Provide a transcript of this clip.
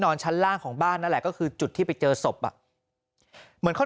ชั้นล่างของบ้านนั่นแหละก็คือจุดที่ไปเจอศพอ่ะเหมือนเขา